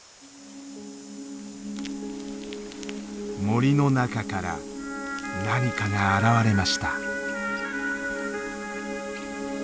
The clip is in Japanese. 森の中から何かが現れました。